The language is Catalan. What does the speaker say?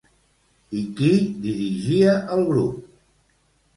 I qui dirigia el grup?